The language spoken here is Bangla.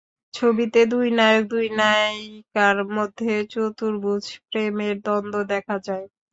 ছবিতে দুই নায়ক, দুই নায়িকার মধ্যে চতুর্ভুজ প্রেমের দ্বন্দ্ব দেখা দেয়।